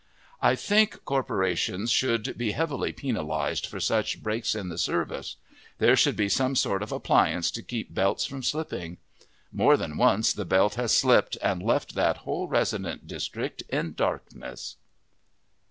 I think corporations should be heavily penalized for such breaks in the service. There should be some sort of appliance to keep belts from slipping. More than once the belt has slipped and left that whole residence district in darkness.